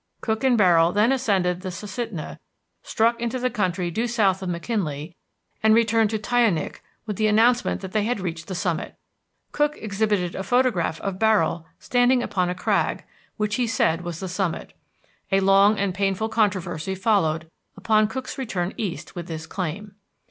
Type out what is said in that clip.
Cook and Barrill then ascended the Susitna, struck into the country due south of McKinley, and returned to Tyonik with the announcement that they had reached the summit. Cook exhibited a photograph of Barrill standing upon a crag, which he said was the summit. A long and painful controversy followed upon Cook's return east with this claim.